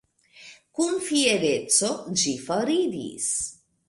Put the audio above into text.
Kun fiereco, ĝi foriris.